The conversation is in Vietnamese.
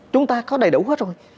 chúng ta có đầy đủ hết rồi